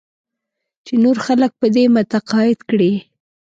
چې نور خلک په دې متقاعد کړې.